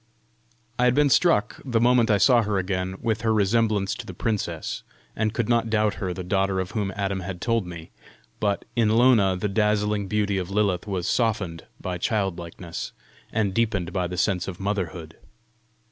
I had been struck, the moment I saw her again, with her resemblance to the princess, and could not doubt her the daughter of whom Adam had told me; but in Lona the dazzling beauty of Lilith was softened by childlikeness, and deepened by the sense of motherhood.